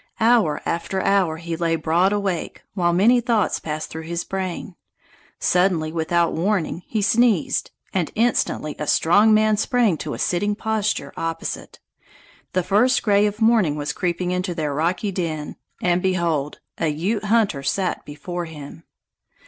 Hour after hour he lay broad awake, while many thoughts passed through his brain. Suddenly, without warning, he sneezed, and instantly a strong man sprang to a sitting posture opposite. The first gray of morning was creeping into their rocky den, and behold! a Ute hunter sat before him.